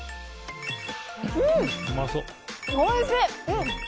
おいしい！